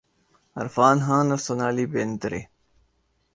عرفان خان اور سونالی بیندر ے